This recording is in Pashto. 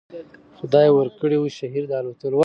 خدای ورکړی وو شهپر د الوتلو